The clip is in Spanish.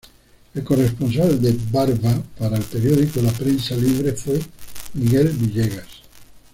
El corresponsal de Barva para el periódico La Prensa Libre fue Miguel Villegas.